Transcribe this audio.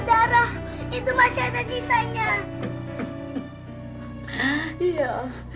iya tapi tidak apa apa